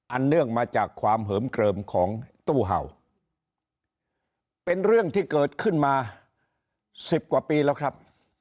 เนื่องมาจากความเหิมเกลิมของตู้เห่าเป็นเรื่องที่เกิดขึ้นมา๑๐กว่าปีแล้วครับ